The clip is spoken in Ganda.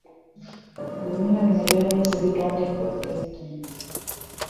Ebibiina bino eby'abayizi byatongozeddwa Pulezidenti